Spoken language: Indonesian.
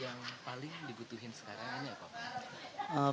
yang paling dibutuhkan sekarangnya apa pak